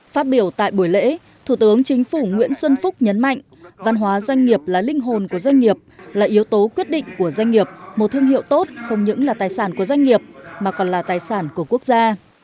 phát biểu tại buổi lễ thủ tướng chính phủ nguyễn xuân phúc nhấn mạnh văn hóa doanh nghiệp là linh hồn của doanh nghiệp là yếu tố quyết định của doanh nghiệp một thương hiệu tốt không những là tài sản của doanh nghiệp mà còn là tài sản của quốc gia